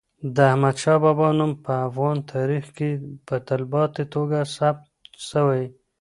د احمد شاه بابا نوم په افغان تاریخ کي په تلپاتې توګه ثبت سوی.